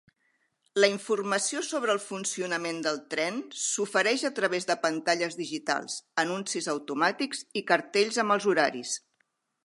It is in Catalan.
La informació sobre el funcionament del tren s'ofereix a través de pantalles digitals, anuncis automàtics i cartells amb els horaris.